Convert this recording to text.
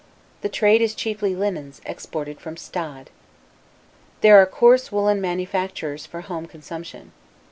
The trade is chiefly linens, exported from Stade. There are coarse woolen manufactures for home consumption.